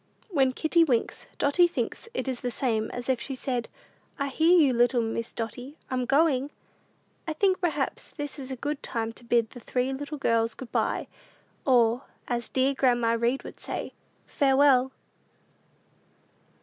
When kitty winks, Dotty thinks it the same as if she said, "I hear you, little Miss Dotty: I'm going." I think perhaps this is a good time to bid the three little girls good by, or, as dear grandma Read would say, "Farewell!"